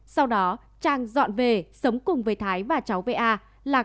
sau đó trang dọn về sống cùng với thái và cháu va là